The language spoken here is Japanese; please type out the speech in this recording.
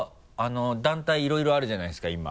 団体いろいろあるじゃないですか今。